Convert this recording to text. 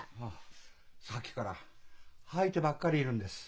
さっきから吐いてばっかりいるんです。